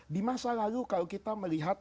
di masa lalu kalau kita melihat